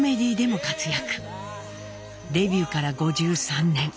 デビューから５３年